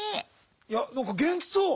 いやなんか元気そう。